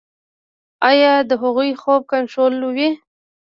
ایا د هغوی خوب کنټرولوئ؟